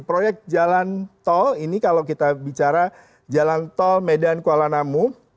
proyek jalan tol ini kalau kita bicara jalan tol medan kuala namu